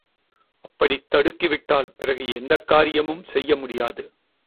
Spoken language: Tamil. அப்படித் தடுக்கிவிட்டால் பிறகு எந்தக் காரியமும் செய்ய முடியாது.